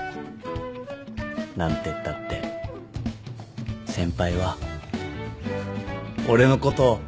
何てったって先輩は俺のこと。